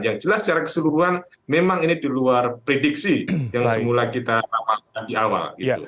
yang jelas secara keseluruhan memang ini di luar prediksi yang semula kita rapatkan di awal